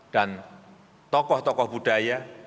dan tokoh tokoh budaya